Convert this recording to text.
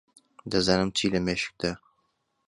دەزانم چی لە مێشکتە.